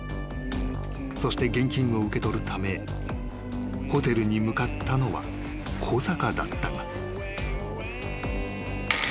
［そして現金を受け取るためホテルに向かったのは小坂だったが］